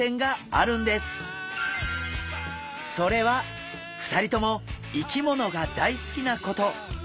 それは２人とも生き物が大好きなこと。